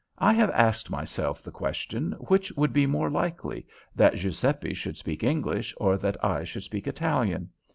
I have asked myself the question, which would be the more likely, that Giuseppe should speak English, or that I should speak Italian?